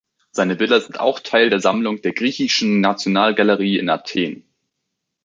Seine Bilder sind auch Teil der Sammlung der "Griechischen Nationalgalerie" in Athen.